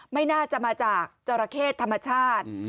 ไม่น่าจะมาจากจราเข้ธรรมชาติ